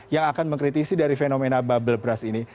yang akan mengkritisi dari fenomena bubble brush ini